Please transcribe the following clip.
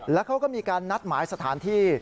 แล้วเขาก็มีการนัดหมายสถานที่